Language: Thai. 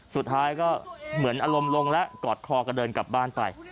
สุดท้ายก็เหมือนอารมณ์ลงแล้วกอดคอกันเดินกลับบ้านไป